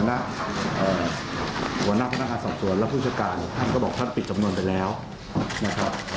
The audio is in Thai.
หัวหน้าพนักงานสอบสวนและผู้จัดการท่านก็บอกท่านปิดสำนวนไปแล้วนะครับ